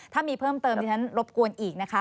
ถ้ามีเพิ่มเติมที่ฉันรบกวนอีกนะคะ